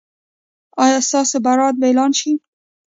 ایا ستاسو برات به اعلان شي؟